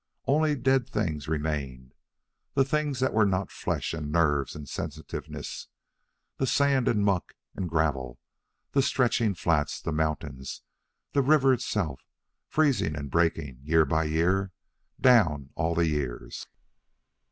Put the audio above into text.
Only the dead things remained, the things that were not flesh and nerves and sensitiveness, the sand and muck and gravel, the stretching flats, the mountains, the river itself, freezing and breaking, year by year, down all the years.